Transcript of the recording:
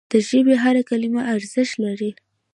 د ژبي هره کلمه ارزښت لري.